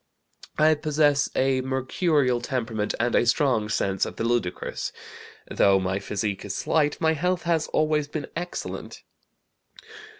"I possess a mercurial temperament and a strong sense of the ludicrous. Though my physique is slight, my health has always been excellent.